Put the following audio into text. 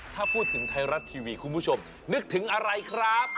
ถ้าพูดถึงไทยรัฐทีวีคุณผู้ชมนึกถึงอะไรครับ